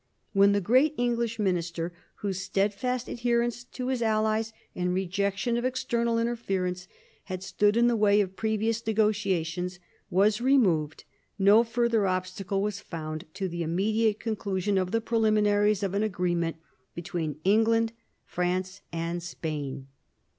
When the great English minister, whose steadfast adherence to his allies and rejection of external interfer ence had stood in the way of previous negotiations, was removed, no further obstacle was found to the immediate conclusion of the preliminaries of an agreement between England, France, and Spain.